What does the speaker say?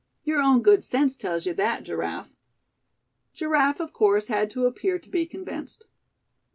Your own good sense tells you that, Giraffe." Giraffe, of course, had to appear to be convinced.